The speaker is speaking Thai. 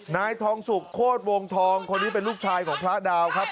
นายทองสุกโคตรวงทองคนนี้เป็นลูกชายของพระดาวครับ